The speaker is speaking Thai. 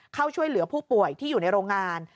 เข้าช่วยเหลือผู้ป่วยที่อยู่ในโรงงาน